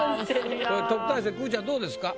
これ特待生くーちゃんどうですか？